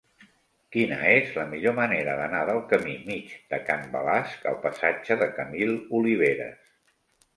Quina és la millor manera d'anar del camí Mig de Can Balasc al passatge de Camil Oliveras?